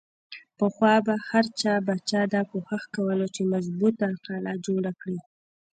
پخوا به هر يو باچا دا کوښښ کولو چې مضبوطه قلا جوړه کړي۔